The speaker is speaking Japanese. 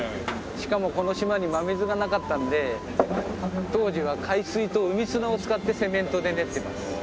しかもこの島に真水がなかったんで当時は海水と海砂を使ってセメントで練ってます。